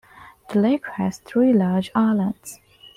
The lake has three large islands.